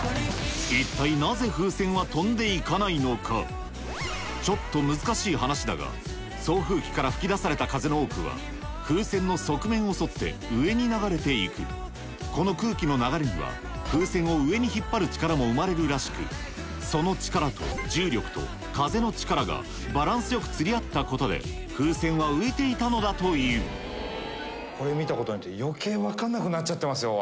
一体ちょっと難しい話だが送風機から吹き出された風の多くは風船の側面を沿って上に流れて行くこの空気の流れには風船を上に引っ張る力も生まれるらしくその力と重力と風の力がバランスよく釣り合ったことで風船は浮いていたのだというこれを見たことによって余計分かんなくなっちゃってますよ